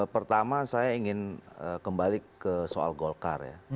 pertama saya ingin kembali ke soal golkar ya